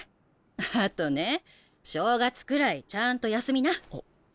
あとね正月くらいちゃんと休みな。